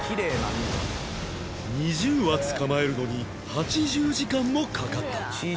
２０羽捕まえるのに８０時間もかかった